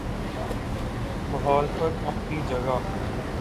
مخالفت اپنی جگہ۔